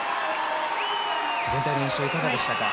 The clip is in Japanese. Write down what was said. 全体の印象はいかがでしたか？